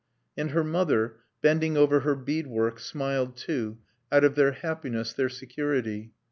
And her mother, bending over her bead work, smiled too, out of their happiness, their security.